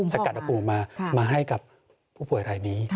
สกัดอุณหภูมิมามาให้กับผู้ป่วยรายนี้